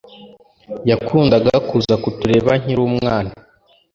Yakundaga kuza kutureba nkiri umwana